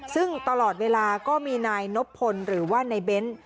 ซึ่งตลอดเวลาก็มีนายนบพลหรือว่าในเบ้น